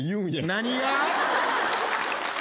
何が？